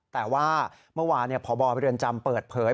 แต่ว่าเมื่อวานพบเรือนจำเปิดเผย